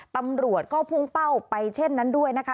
ตำรวจก็พุ่งเป้าไปเช่นนั้นด้วยนะคะ